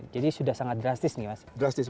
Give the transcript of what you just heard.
jadi sudah sangat drastis nih mas